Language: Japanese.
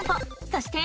そして。